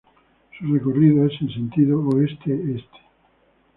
Su recorrido es en sentido oeste-este.